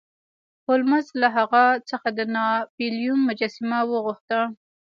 هولمز له هغه څخه د ناپلیون مجسمه وغوښته.